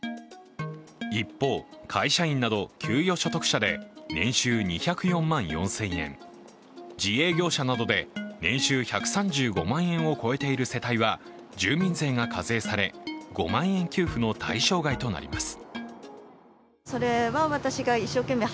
一方、会社員など給与所得者で年収２０４万４０００円、自営業者などで年収１３５万円を超えている世帯は住民税が課税され、５万円給付の対象外となります。